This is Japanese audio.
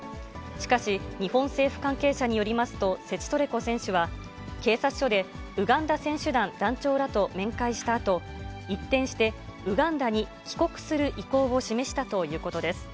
しかし、日本政府関係者によりますと、セチトレコ選手は、警察署でウガンダ選手団団長らと面会したあと、一転して、ウガンダに帰国する意向を示したということです。